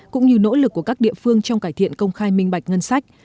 cũng như nỗ lực của các địa phương trong cải thiện công khai minh bạch ngân sách